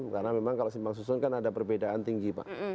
karena memang kalau simpang susun kan ada perbedaan tinggi pak